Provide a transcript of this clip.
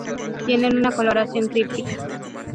Tienen una coloración críptica.